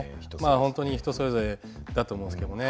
本当に人それぞれだと思うんですけどね。